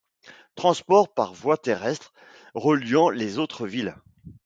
Transport par voie terrestre reliant les autres villes.